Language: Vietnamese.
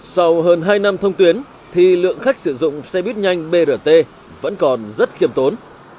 sau hơn hai năm thông tuyến thì lượng khách sử dụng xe buýt nhanh brt vẫn còn rất khiêm tốn